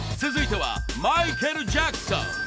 続いてはマイケル・ジャクソン。